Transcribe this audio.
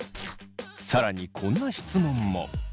更にこんな質問も。